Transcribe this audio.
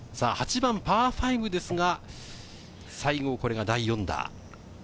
８番パー５ですが、西郷、これが第４打。